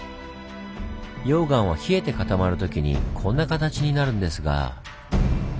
溶岩は冷えて固まる時にこんな形になるんですが。